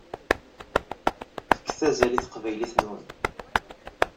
Fket azal i taqbaylit-nwen.